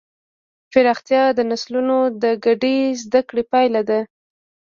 پراختیا د نسلونو د ګډې زدهکړې پایله ده.